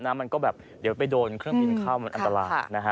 มันก็แบบเดี๋ยวไปโดนเครื่องบินเข้ามันอันตรายนะฮะ